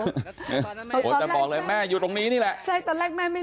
โอ้โหแต่บอกเลยแม่อยู่ตรงนี้นี่แหละใช่ตอนแรกแม่ไม่